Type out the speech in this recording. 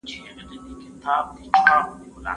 هغه غواړي چي یو تکړه او مشهور څېړونکی سي.